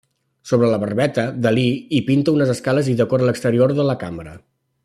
Sobre la barbeta, Dalí, hi pinta unes escales i decora l'exterior de la cambra.